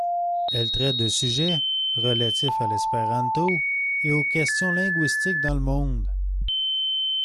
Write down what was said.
Elle traite de sujets relatifs à l'espéranto et aux questions linguistiques dans le monde.